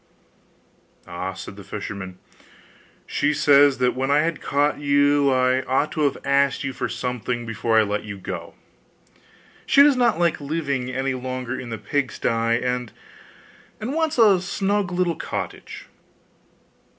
'Ah!' said the fisherman, 'she says that when I had caught you, I ought to have asked you for something before I let you go; she does not like living any longer in the pigsty, and wants a snug little cottage.